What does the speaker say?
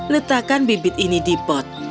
letakkan bibit ini di pot